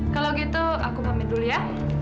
kalau gitu aku mamin dulu ya